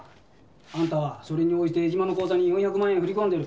あんたはそれに応じて江島の口座に４００万円を振り込んでる。